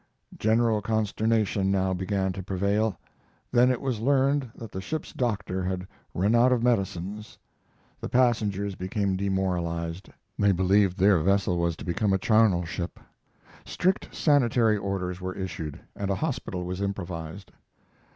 General consternation now began to prevail. Then it was learned that the ship's doctor had run out of medicines. The passengers became demoralized. They believed their vessel was to become a charnel ship. Strict sanitary orders were issued, and a hospital was improvised.